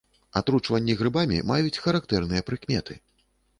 Атручванні грыбамі маюць характэрныя прыкметы.